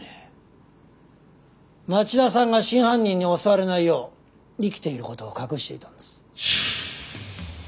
町田さんが真犯人に襲われないよう生きている事を隠していたんです。